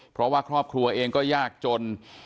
เพราะว่าครอบครัวเองก็ยากจน